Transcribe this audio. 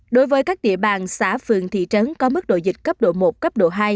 đối với các địa bàn xã phường thị trấn có mức độ dịch cấp độ một cấp độ hai